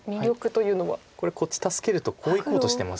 これこっち助けるとこういこうとしてます。